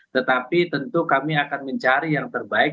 tetapi tentu kami akan mencari yang terbaik